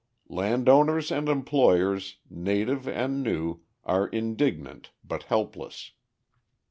"Landowners and employers, native, and new, are indignant but helpless.